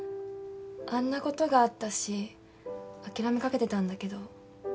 あんなことがあったし諦めかけてたんだけど。